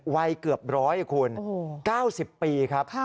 วัยเกือบ๑๐๐คุณ๙๐ปีครับ